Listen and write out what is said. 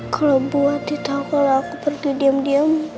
kalau buati tau kalau aku pergi diam diam